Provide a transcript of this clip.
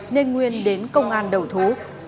nên nguyên đến công an đầu thú